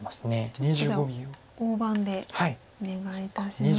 ちょっとじゃあ大盤でお願いいたします。